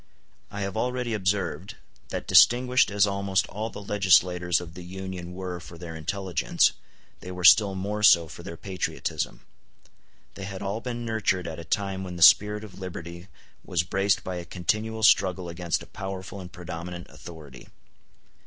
I have already observed that distinguished as almost all the legislators of the Union were for their intelligence, they were still more so for their patriotism. They had all been nurtured at a time when the spirit of liberty was braced by a continual struggle against a powerful and predominant authority.